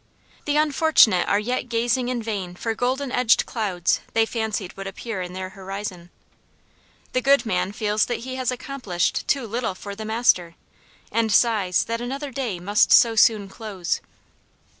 The unfortunate are yet gazing in vain for goldenedged clouds they fancied would appear in their horizon. The good man feels that he has accomplished too little for the Master, and sighs that another day must so soon close.